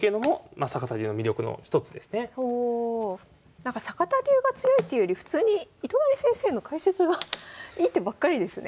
なんか坂田流が強いっていうより普通に糸谷先生の解説がいい手ばっかりですね。